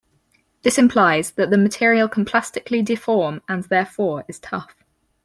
This implies that the material can plastically deform, and, therefore, is tough.